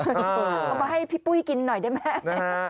เอามาให้พี่ปุ้ยกินหน่อยได้ไหม